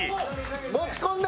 持ち込んだ！